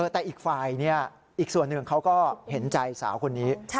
แต่อีกฝ่ายอีกส่วนหนึ่งเขาก็เห็นใจสาวคนนี้